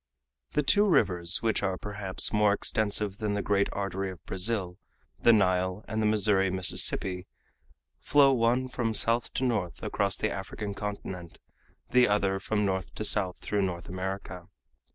The two rivers which are, perhaps, more extensive than the great artery of Brazil, the Nile and the Missouri Mississippi, flow one from south to north across the African continent, the other from north to south through North America.